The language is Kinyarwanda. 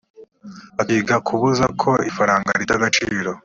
bakiga kubuza ko ifaranga rita agaciro